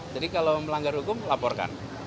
jadi kalau melanggar hukum laporkan